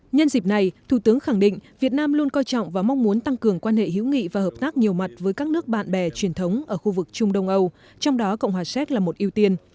nhân dịp này thủ tướng khẳng định việt nam luôn coi trọng và mong muốn tăng cường quan hệ hữu nghị và hợp tác nhiều mặt với các nước bạn bè truyền thống ở khu vực trung đông âu trong đó cộng hòa séc là một ưu tiên